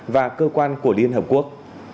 và cơ quan của liên hợp quốc